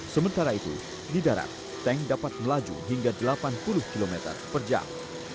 sementara itu di darat tank dapat melaju hingga delapan puluh km per jam